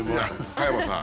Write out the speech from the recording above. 加山さん